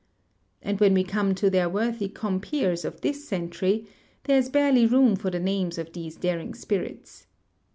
And when we come to their worthy compeers of this century, there is barely room for the names of these daring spirits.